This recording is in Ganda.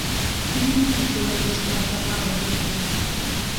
Tulina okuzuula be kikwatako abakulu.